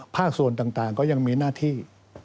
ส่วนต่างก็ยังมีหน้าที่